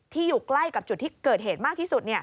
อยู่ใกล้กับจุดที่เกิดเหตุมากที่สุด